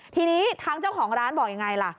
ทีนี้ทางเจ้าของร้านบอกยังไงล่ะ